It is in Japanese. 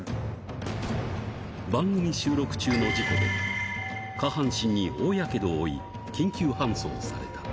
番組収録中の事故で、下半身に大やけどを負い、緊急搬送された。